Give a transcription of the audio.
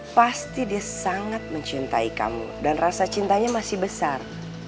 pasti dia sangat mencintai kamu dan rasa cintanya masih besar